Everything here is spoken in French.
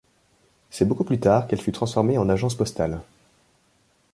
C'est beaucoup plus tard qu'elle fut transformée en agence postale.